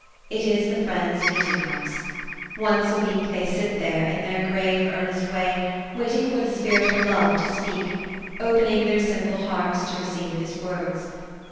It is the Friends' meeting house. Once a week they sit there, in their grave, earnest way, waiting for the Spirit of Love to speak, opening their simple hearts to receive His words.